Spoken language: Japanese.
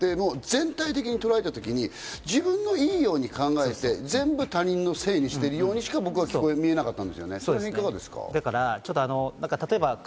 全体的にとらえた時に自分のいいように考えて全部他人のせいにしてるようにしか僕には見えなかった。